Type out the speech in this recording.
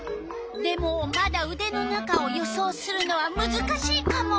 でもまだうでの中を予想するのはむずかしいカモ。